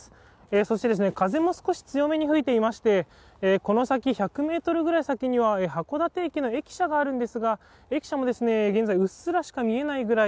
そして風も少し強めに吹いていましてこの先、１００ｍぐらい先には函館駅の駅舎があるんですが駅舎も現在、うっすらしか見えないぐらい